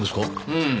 うん。